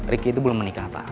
ricky itu belum menikah pak